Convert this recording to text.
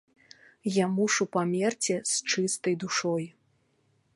Я мушу памерці з чыстай душой!